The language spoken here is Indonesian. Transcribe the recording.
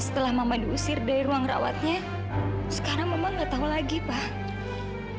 seharusnya sekarang tovon sudah sampai